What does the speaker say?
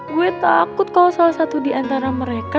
gue takut kalau salah satu diantara mereka